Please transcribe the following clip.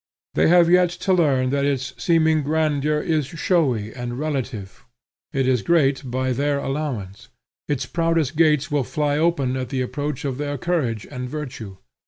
They have yet to learn that its seeming grandeur is shadowy and relative: it is great by their allowance; its proudest gates will fly open at the approach of their courage and virtue.